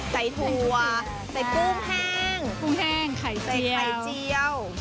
ใส่ถั่วใส่ปุ้งแห้งใส่ไข่เจียว